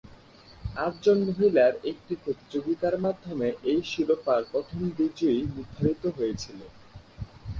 আটজন মহিলার একটি প্রতিযোগিতার মাধ্যমে এই শিরোপার প্রথম বিজয়ী নির্ধারিত হয়েছিল।